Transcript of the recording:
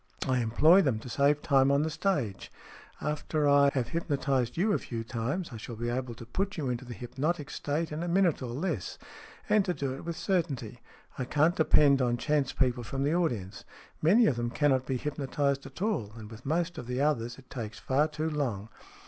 I employ them to save time on the stage. After I SMEATH 5 have hypnotized you a few times, I shall be able to put you into the hypnotic state in a minute or less, and to do it with certainty. I can't depend on chance people from the audience. Many of them cannot be hypnotized at all, and with most of the others it takes far too long.